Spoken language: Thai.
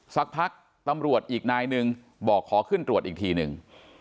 สักพักตำรวจอีกนายหนึ่งบอกขอขึ้นตรวจอีกทีหนึ่ง